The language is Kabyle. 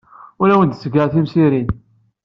Ur awen-d-ttgeɣ timsirin.